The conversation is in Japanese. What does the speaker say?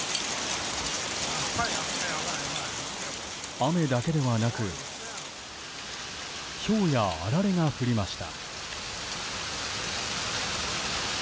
雨だけではなくひょうやあられが降りました。